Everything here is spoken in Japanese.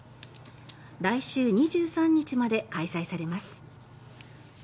来週２３日まで開催されます。